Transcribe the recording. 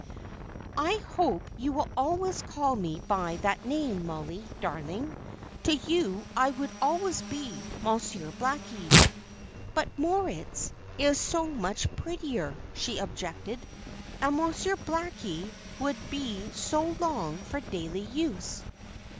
"I hope you will always call me by that name, Mollie, darling. To you I would always be Monsieur Blackie." "But Moritz is so much prettier," she objected; "and Monsieur Blackie would be so long for daily use."